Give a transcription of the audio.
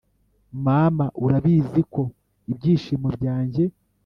mama urabiziko ibyishimo byanjye